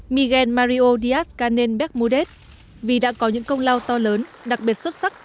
miguel mario díaz canel becmudez vì đã có những công lao to lớn đặc biệt xuất sắc